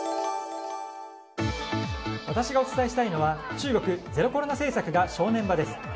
私がお伝えしたいのは、中国ゼロコロナ政策が正念場です。